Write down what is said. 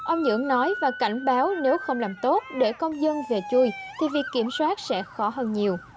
ông nhưỡng nói và cảnh báo nếu không làm tốt để con dân về chui thì việc kiểm soát sẽ khó hơn nhiều